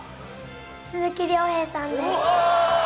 鈴木亮平さんです。